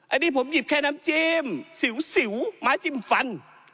อันนี้ผมหยิบแค่น้ำจิ้มสิวไม้จิ้มฟัน